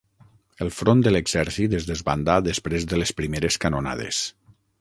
El front de l'exèrcit es desbandà després de les primeres canonades.